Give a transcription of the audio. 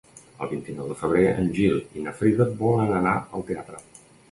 El vint-i-nou de febrer en Gil i na Frida volen anar al teatre.